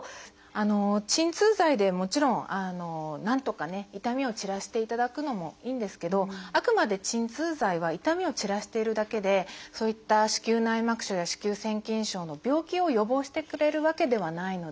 鎮痛剤でもちろんなんとかね痛みを散らしていただくのもいいんですけどあくまで鎮痛剤は痛みを散らしているだけでそういった子宮内膜症や子宮腺筋症の病気を予防してくれるわけではないので。